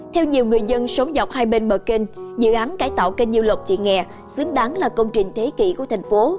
theo nhiều người dân sống dọc hai bên bờ kênh dự án cải tạo kênh nhiêu lộc thị nghè xứng đáng là công trình thế kỷ của thành phố